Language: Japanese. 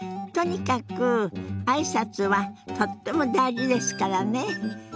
とにかく挨拶はとっても大事ですからね。